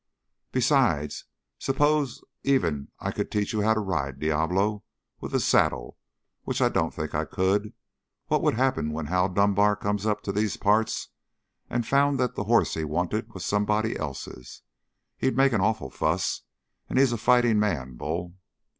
Besides, suppose even I could teach you how to ride Diablo with a saddle, which I don't think I could what would happen when Hal Dunbar come up to these parts and found that the hoss he wanted was somebody else's? He'd make an awful fuss and he's a fighting man, Bull."